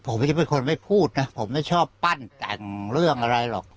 ผมจะเป็นคนไม่พูดนะผมไม่ชอบปั้นแต่งเรื่องอะไรหรอก